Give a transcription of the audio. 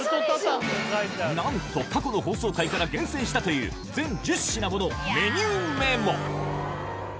なんと過去の放送回から厳選したという全１０品ものメニューメモちょっと今日は。